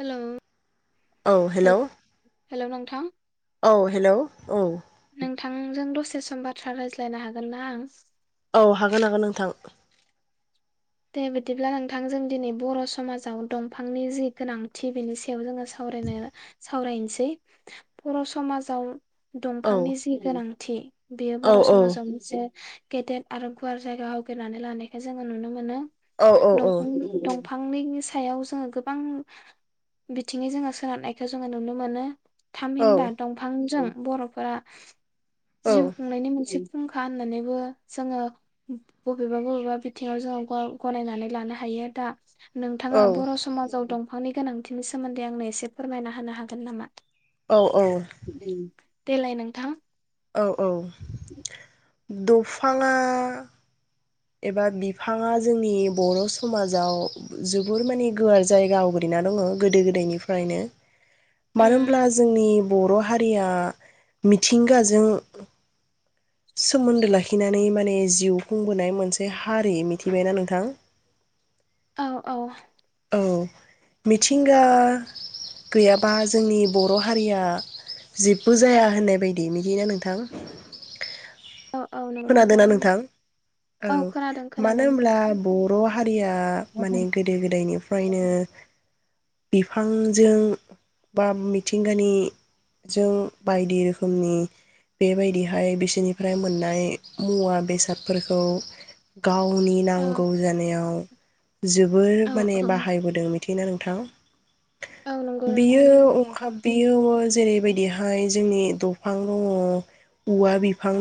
हेल' औ hello hello hello नोंथां औ हेल' औ नोंथांजों दसे सम बाथ्रा रायज्लायनो हागोन ना आं औ हागोन हागोन नोंथां दे बिदिब्ला नोंथां जों दिनै बर' समाजाव दंफांनि जि गोनांथि बेनि सायाव जोङो सावरायनाया सावरायनोसै बर' समाजाव औ दंफांनि जि गोनां थि बेयो औ बर' औ समाजाव मोनसे गेदेर आरो गुवार जायगा आवग्रिनानै लानायखौ जोङो नुनो मोनो दंफां औ औ औ दंफां दफांनिनि सायाव जोङो गोबां बिथिङै जोङो सोनारनायखौ जोङो नुनो मोनो। औ थामहिनबा दंफांजों बर'फोरा जिउ खुंनायनि मोनसे फुंखा होननानैबो जोङो बबेबा बबेबा बिथिङाव जोङो गनायनानै लानो हायो दा नोंथाङा बर' समाजाव दं बिफांनि गोनांथिनि सोमोन्दै आंनो एसे फोरमायना होनो हागोन नामा औ औ देलाय नोंथां औ औ दंफांआ एबा बिफांआ जोंनि बर' समाजाव जोबोर माने गुवार जायगा आवग्रिना दङ गोदो गोदायनिफ्रायनो मानो हब्ला औ जोंनि बर' हारिया मिथिंगाजों सोमोन्दो लाखिनानै माने जिउ खुंबोनाय मोन मोनसे हारि मिथिबायना नोंथां औ औ औ मिथिंगा गैयाबा जोंनि बर' हारिया जेबो जाया होननाय बायदि बिदिना नोंथां औ औ नंगौ खोनादोंना नंगौ नोंथां औ खोनादों मानो खोनादों होमब्ला [unintelligible] हारिया माने गोदो गोदायनिफ्राय ओमफ्रायनो बिफांजों बा मिथिंगानिजों बायदि रोखोमनि बेबायदिहाय बिसोरनिफ्राय मोननाय मुवा बेसादफोरखौ गावनि औ नांगौ जानायाव जोबोर औ माने औ बाहायबोदों मिथियोना नोंथां नंगौ नोंथां बियो नंगौ ओंखाम बियो जेरैबायदिहाय बेहाय जोंनि दंफां दङ औवा बिफां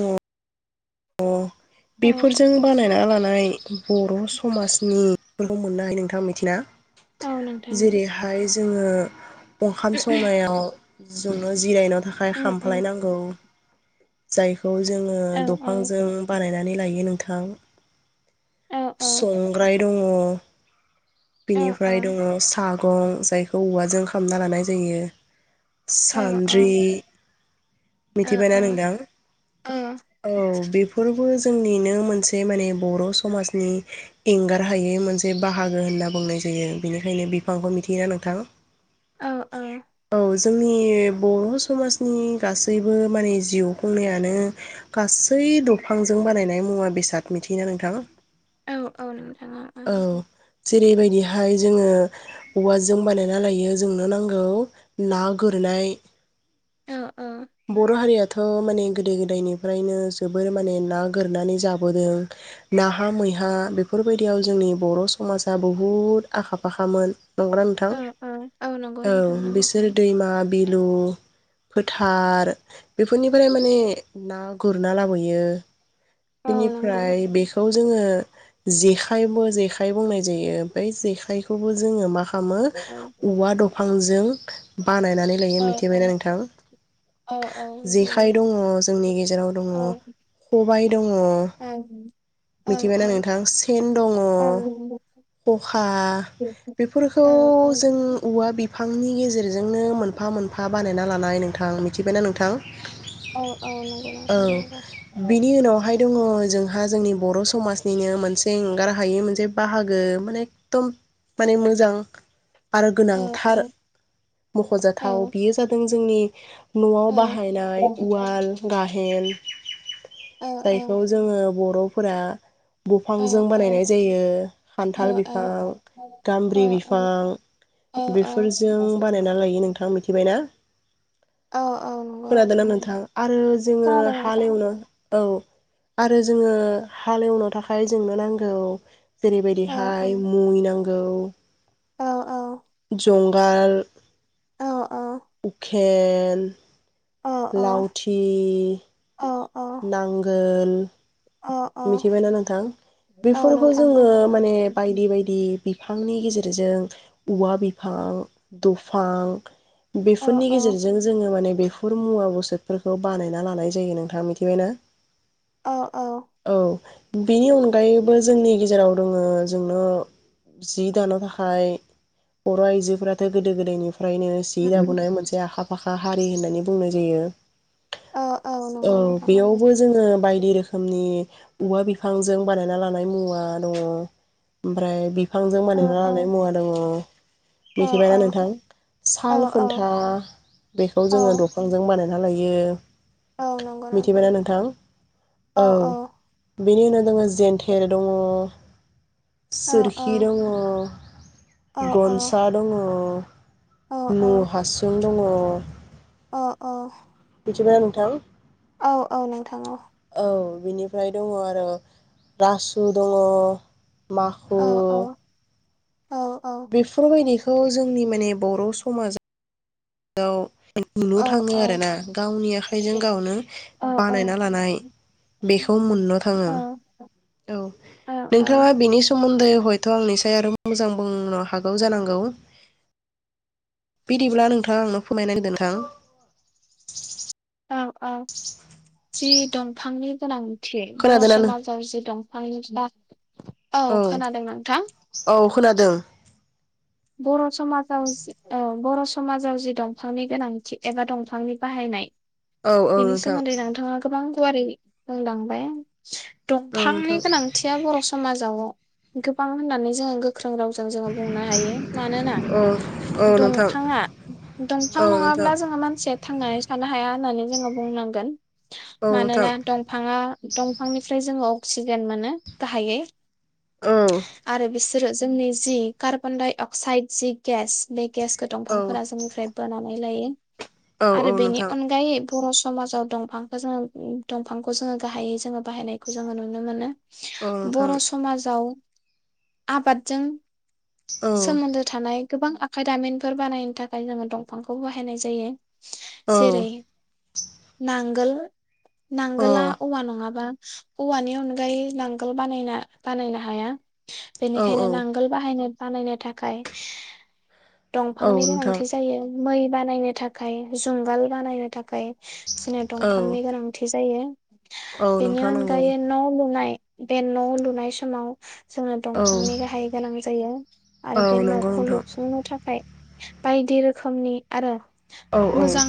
औ अ औ बेफोरजों बानायना लानाय नाय बर' समाजनि मोननो हायो नोंथाङा मिथिया औ नोंथां जेरैहाय जोङो ओंखाम संनाय आव जोंयो जिरायनानै थाखाय उम उम खामफ्लायनांगौ जाइ खौ औ औ जोङो बानायनानै लायो नोंथां औ औ संग्राइ दङ। औ बिनिफ्राय दङ साग मैगं जायखौ औवाजों खामना लानाय जायो। औ सानद्रि औ औ मिथिबायना नोंथां औ बेफोरबो जोंनिनो मोनसे माने बर' समाजनि एंगार हायै मोनसे बाहागो होनना बुंनाय जायो बेनिखायनो बिफांखौ मिथियोना नोंथां औ औ। जोंनि बर' समाजनि गासैबो माने जिउ खुंनायानो गासै दंफांजों बानायनाय मुवा बेसाद मिथियोना नोंथां। औ औ नोंथां। औ जेरैबायदिहाय जोङो औवाजों बानायना लायो जोंनो नांगौ ना गुरनाय औ औ। बर' हारियाथ' माने गोदो गोदायनिफ्रायनो जोबोर माने ना गोरनानै जाबोदों नाहा मैहा बेफोरबायदियाव जोंनि बर' समाजा बहुद आखा फाखामोन नंगौना नोंथां औ नंगौ नोंथां औ नंगौ बिसोर दैमा बिलु फोथ थार बेफोरनिफ्राय माने ना गुरना लाबोयो औ नंगौ बेनिफ्राय बेखौ जोङो जे जेखाय बुंनाय जायो जेखायखौबो जोङो माख खामो औ औवा दंफां जों बानायनानै लायो औ औ मिथिबायना नोंथां औ औ नंगौ जेखाइ नोंथां दङ जोंनि गेजेराव दङ ओं खबाइ दङ औ मिथिबायना नोंथां सेन दङ औ खखा बिफोरखौ जों नंगौ औवा बिफां बिफांनि गेजेरजोंनो मोनफा मोनफा बानायना लानाय नोंथां मिथिबायना नोंथां। औ औ नंगौ औ नोंथां नंगौ बिनि उनाव दङ जोंहा जोंनि बर' समाजनिनो मोनसे एंगार हायै मोनसे बाहागो माने एखदम माने मोजां आरो औ औ गोनांथार औ मख'जाथाव औ बियो जादों जों जोंनि औ न'आव बाहायनाय उवाल गाहे हेन औ जायखौ जोङो बर' फोरा औ बिफांजों बानायनाय जायो खान्थाल बिफां गामब्रि बिफां औ बेफोरजों लायो नोंथाङा मिथि मिथिबायना औ औ नंगौ खोनादोंना नंगौ नोंथां आरो जोङो खोनादों नोंथां हालेवनो औ आरो जोङो हाल एवनो थाखाय जोंनो नांगौ औ जेरैबायदिहाय मै नां गौ औ-औ जंगाल औ औ थेन औ लाउथि नांगो ल औ मिथिबायना नोंथां औ बेफोरखौ जोङो माने नोंथां बायदि बायदि बिफांनि गेजेरजों औवा बिफां दुफां औ बेफोरनि औ गेजेरजों जोङो माने बे फुर मुवा बसातफोरखौ बानायना लानाय जायो नोंथां मिथिबायना अ औ बिनि अनगायैबो जोंनि गेजेराव दङो जोंनो जि दानो थाखाय बर' आइजोफोराथ' गोदो गोदायनि ओमफ्रायनो जि लाबोनाय मोनसे आखा फाखा हारि होननानै बुंनाय जायो औ औ नंगौ नोंथां नंगौ बेयावबो जोङो बाय [unintelligible] रोखोमनि औवा बिफांजों बानायना लानाय मुवा दङ ओमफ्राय बि फांजों औ बानायना औ लानाय मुवा दङ औ मिथिबायना नोंथां औ साल खुन्था बेखौ औ जोङो दंफांजों बानायना ना लायो औ मिथिबाया नोंथां औ औ-औ बेनि उनाव दङ जेन्थेर दङ औ औ सोरखि दङ औ औ गनसा दङ औ न' हासुं दङ औ मिथिबायना नोंथां? औ औ नोंथां औ औ बिनिफ्राय दङ आरो रासु दङ माखु औ औ बिफोरबायदि खौ जोंनि माने बर' समाजा [unintelligible] औ नुनो थाङो आरो ना गावनि आखाइजों गावनो औ बानायना लानाय बेखौ औ नोंथाङा औ बेनि सो मोन्दै हयथ' आंनिसाय आरो मोजां बुंनो हागौ जानांगौ बिदिब्ला नोंथाङा आंनो फोरमायना [unintelligible] नोंथां औ औ जि दंफांनि गोनां थि बर' खोनादोंना समाजाव जि दंफांनि बा औ नों खोनादों नोंथां। औ खोनादों। बर' समाजाव जि औ जि बर' समाजाव जि दंफांनि गोनांथि एबा दंफांनि बाहायनाय औ औ बेनि नोंथां सोमोन्दै नोंथाङा गोबां गुवारै बुंलांबाय औ दंफांनि नोंथां गोनांथिया बर' समाजाव गोबां होननानै जोङो गो ख्रों रावजों जोङो बुंनो हायो। मानोना औ औ नोंथां दंफाङा दंफां औ नोंथां नङाब्ला जोङो मानसि थांनानै थानो हाया होननानै जोङो बुंनांगोन। औ नोंथां मानोना दंफाङा दंफांनिफ्राय जोङो अक्सिजेन मोनो गाहायै औ सोरो जोंनि जि कार्बन डाइ अक साइड जि गेस बे गेसखौ औ दंफांफोरा जोंनिफ्राय बोना नै लायो। औ औ आरो बेनि नोंथां अनगायै बर' समाजाव दंफांखौ जोङो दंफांखौ जोङो गाहायै जोङो बाहायनायखौ जोङो नुनो मोनो। औ नोंथां बर' समाजाव आबादजों औ सोमोन्दो थानाय गोबां आखाइ दामिनफोर बानायनो थाखाय जोङो दंफांखौ बाहायनाय जायो। औ जेरै नांगोल [inaudible] अ नांगोला औवा नङाबा औवानि अनगायै नांगोल बानायना बानायनो हाया। औ बेनिखायनो औ नांगोल बाहायनो बानायनो थाखाय औ दंफांनि नोंथां गोनांथि जायो। मै बानायनो थाखाय जुंगाल बानायनो थाखाय जोंनो औ दंफांनि गोनांथि जायो। औ बेनि नोंथां नंगौ अनगायै न' लुनाय बे न' लुनाय समाव जोंनो औ दंफांनि गाहाय गोनां जायो। औ आरो बे नंगौ न'खौ नोंथां लुफुंनो थाखाय बायदि रोखोमनि आरो औ औ मोजां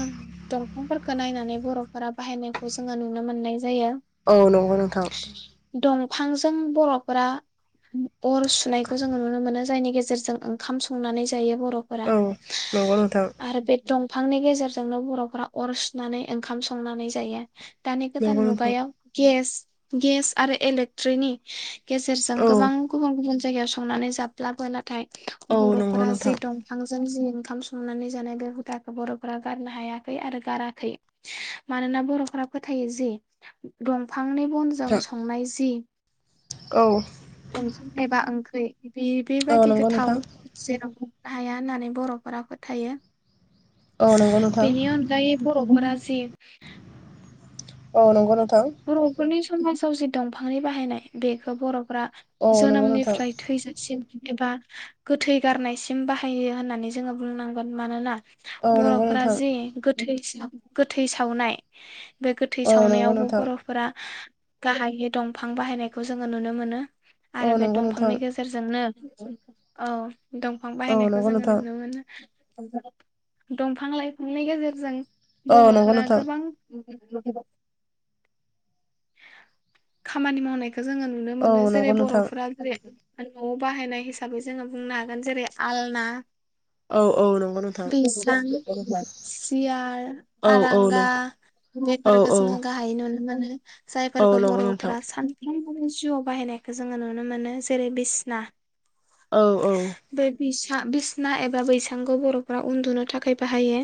दंफांफोर खो नायनानै बर'फोरा बाहायनायखौ जोङो नुनो मोन्नाय जायो। औ नंगौ नोंथां दंफांजों बर'फोरा अर सुनायखौ जोङो नुनो मोनो। जायनि गेजेरजों ओंखाम संनानै जायो बर'फोरा औ नंगौ नोंथां। फांनि गेजेरजोंनो बर'फोरा अर सुनानै ओंखाम संनानै जायो। दानि गोदान नंगौ नोंथां मुगायाव गेस गेस आरो एलेक्ट्रिनि गेजेरजों औ गोबां गुबुन गुबुन जायगायाव संनानै जाब ब्लाबो नाथाय औ नंगौ बर'फोरा जि नोंथां दंफांजों जि ओंखाम संनानै जानाय बे हुदाखौ बर'फोरा गारनो हायाखै आरो गाराखै मानोना बर'फोरा फोथायो जि दंफां फांनि बनजों संनाय जि औ ओं एबा ओंख बे बे औ बेबायदि नंगौ गोथाव नोंथां जेराव हाया होननानै बर'फोरा फोथायो औ नंगौ नोंथां बेनि अनगायै बर'फोरा जे औ नंगौ नों बर'फोरनि स समाजाव जि दंफांनि बाहायनाय बेखौ बर' फोरा औ नंगौ नोंथां जोनोमनिफ्राय थैजासिम एबा गोथै गारनायसिम बाहायो होननानै जोङो बुंनांगोन मानोना औ नंगौ बर‌'फ्रा नोंथां जे गोथै [unintelligible] गोथै सावनाय बे गोथै औ नंगौ नोंथां सावनायावबो फ्रा गाहायै दंफां बाहायनायखौ जोङो नुनो मोनो आरो औ बे नंगौ दंफांनि नोंथां गेजेरजोंनो औ दंफां औ बाहायनायखौ नंगौ जोङो नोंथां नुनो मोनो दंफां लाइफांनि गेजेरजों औ नंगौ बर'फोरा नोंथां गोबां [unintelligible] खामानि मावनाय खो जोङो नुनो औ मोनो नंगौ नोंथां औ जेरै नंगौ नोंथां बर'फोरा जेरै न'आव बाहायनाय हिसाबै जोङो बुंनो हागोन जेरै आलना औ औ नंगौ नोंथां बैसां सियार आरांगा बेफोरखो जोंङो [unintelligible] जायफोरखौ नोंथां बर'फोरा सान फ्राय बो जिउआव बाहायनायखौ जोङो नुनो मोनो जेरै बिसना औ औ था बिसना एबा बैसांखौ बर'फ्रा उन्दुनो थाखाय बाहायो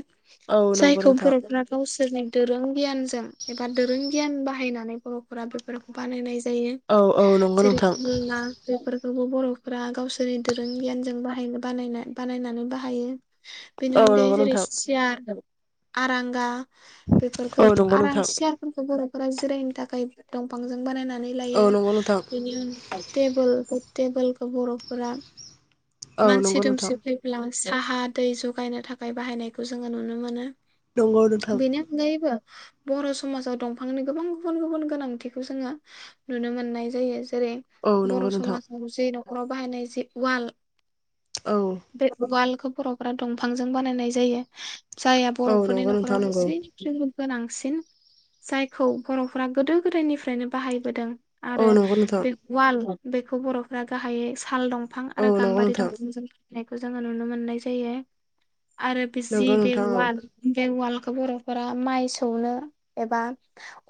औ नंगौ जायखौ नोंथां बर'फ्रा गावस फोरनि दोरों गियानजों एबा दोरों गियान बाहायनानै बरफोरा बेफोरखौ बानायनाय जायो औ औ नंगौ जेरै नोंथां आलना बेफोर बेफोरखौ बर'फ्रा गावसोरनि दोरों गियानजों बाहायनो बानाय बानायनानै बाहायो बेनि औ अनगायै नंगौ जेरै नोंथां सियार आरांगा औ बेफोरखौ नंगौ नोंथां आरांस बरफोरा जिरायनो थाखाय दंफांजों बानायना नै औ लायो नंगौ नोंथां बेनि [unintelligible] थेबोल टेबोलखौ बरफोरा औ मानसि नंगौ नोंथां दुमसि फैब्ला साहा दै जगायनो थाखाय बाहायनायखौ जोङो नुनो मोनो नंगौ नोंथां बिनि अनगायैबो बर स समाजाव दंफांनि गोबां गुबुन गुबुन गोनांथिखौ जोङो नुनो मोननाय जायो जेरै औ बर नंगौ नोंथां समाजाव [unintelligible] न खराव बाहायनाय जि उवाल औ बे उवाल खौ बरफोरा दंफांजों बानायनाय जायो जायहा औ बरफोरनि नंगौ नोंथां नखराव नंगौ [unintelligible] गोनांसिन जायखौ बरफोरा गोदो गोदायनिफ्रायनो बाहायबोदों औ आरो नंगौ नोंथां बे उवाल बेखौ बरफ्रा गाहायै साल दंफां औ आरो नंगौ गाम्बारि नोंथां दंफांजों नायखौ जोङो नुनो मोननाय जायो आरो बे जि नंगौ बे नोंथां औ उवाल बे उवालखौ बरफोरा माइ सौनो एबा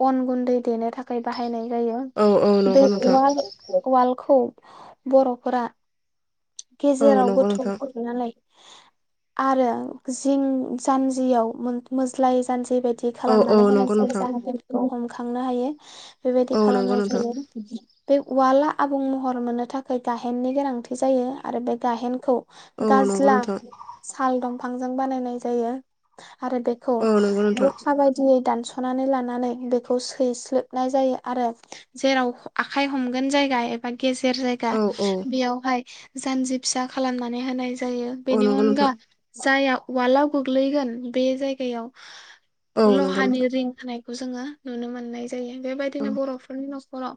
अन गुन्दै देनो थाखाय बाहायनाय जायो औ औ बे नंगौ नोंथां उवाल उवाल खौ बरफोरा औ गेजेराव नंगौ गोथौ नोंथां गुरना लायो आरो जिं जानजियाव मो-मोज्लाय जानजि बेबायदि औ औ खालामनानै [unintelligible] नंगौ नोंथां [unintelligible] हायो बेबायदि औ नंगौ खालामनाय नोंथां जायो बे उवाला आबुं महर मोननो थाखाय गाहेननि गोनांथि जायो आरो बे गाहेनखौ औ नंगौ गाजला नोंथां साल दं बिफांजों बानायनाय जायो। आरो बेखौ औ नंगौ नोंथां जखा बायदियै। दानस'नानै लानानै बेखौ सैस्लोबनाय जायो आरो जेराव आखाइ हमगोन जायगा एबा गेजेर जायगा औ औ बेयावहाय जानजि फिसा खालामनानै होनाय जायो औ बेनि नंगौ उनगा नोंथां जाया वालाव गोग्लैगोन बे जायगायाव औ नों फानि रिं होनाय खौ जोङो नुनो मोननाय जायो बेबायदिनो औ बर'फोरनि न'ख हर'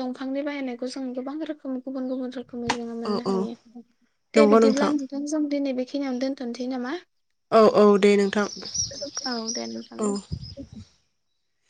दंफांनि बाहायनायखौ जों गोबां रोखोमनि गुबुन गुबुन रो जोङो औ मोननो हायो दे नंगौ बिदिब्ला नोंथां नोंथांजों दिनै बे खिनियावनो दोनथ'नोसै नामा औ औ दे नोंथां औ दे नोंथां औ [inaudible]